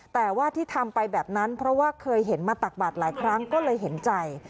แต่ว่าที่ทำไปแบบนั้นเพราะว่าเคยเห็นมาตักบาทหลายครั้งก็เลยเห็นใจ